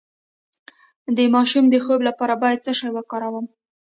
د ماشوم د خوب لپاره باید څه شی وکاروم؟